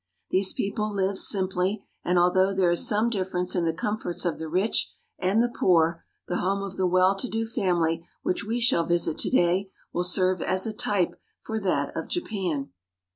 These people live simply, and although there is some difference in the comforts of the rich and the poor, the home of the well to do family which we shall visit to day will serve as a type for that of Japan.